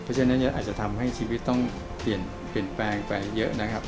เพราะฉะนั้นอาจจะทำให้ชีวิตต้องเปลี่ยนแปลงไปเยอะนะครับ